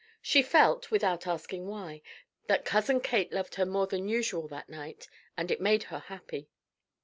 She felt, without asking why, that Cousin Kate loved her more than usual that night, and it made her happy.